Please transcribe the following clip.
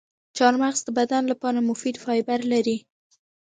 چارمغز د بدن لپاره مفید فایبر لري.